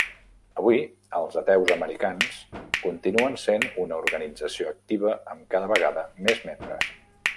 Avui els Ateus Americans continuen sent una organització activa amb cada vegada més membres.